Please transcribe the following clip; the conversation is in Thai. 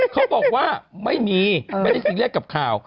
เขาบอกว่าไม่มีไม่ได้ซีเรียสกับข่าว